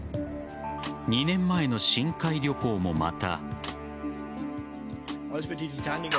２年前の深海旅行もまた。